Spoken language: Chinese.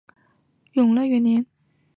永乐元年。